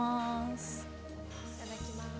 いただきます。